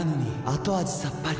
後味さっぱり．．．